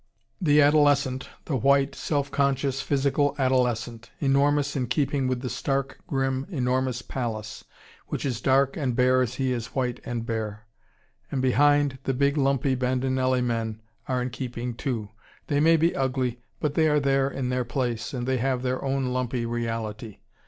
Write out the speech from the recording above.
The adolescent, the white, self conscious, physical adolescent: enormous, in keeping with the stark, grim, enormous palace, which is dark and bare as he is white and bare. And behind, the big, lumpy Bandinelli men are in keeping too. They may be ugly but they are there in their place, and they have their own lumpy reality.